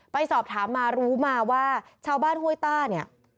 ไปสอบถามมารู้มาว่าชาวบ้านห้วยต้าเนี่ย